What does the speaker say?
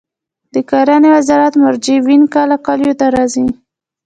د کرنې وزارت مروجین کله کلیو ته راځي؟